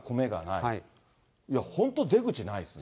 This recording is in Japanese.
いや、本当、出口ないですね。